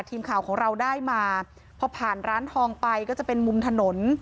ทีมข่าวของเราได้มาพอผ่านร้านทองไปก็จะเป็นมุมถนน